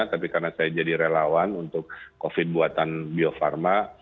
tapi karena saya jadi relawan untuk covid buatan bio farma